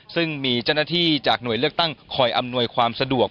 ซึ่งมีเจ้าหน้าที่จากหน่วยเลือกตั้งคอยอำนวยความสะดวก